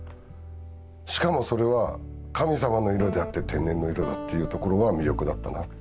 しかもそれは神様の色であって天然の色だっていうところは魅力だったな。